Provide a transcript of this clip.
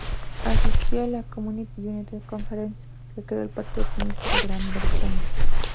Asistió a la Communist Unity Conference que creó el Partido Comunista de Gran Bretaña.